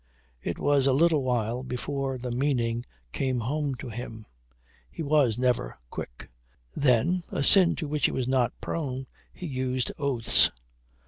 It was a little while before the meaning came home to him. He was never quick. Then (a sin to which he was not prone) he used oaths.